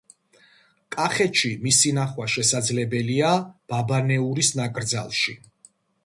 კახეთში მისი ნახვა შესაძლებელია ბაბანეურის ნაკრძალში.